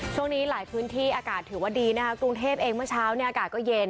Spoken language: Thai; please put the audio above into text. ช่วงนี้หลายพื้นที่อากาศถือว่าดีนะคะกรุงเทพเองเมื่อเช้าเนี่ยอากาศก็เย็น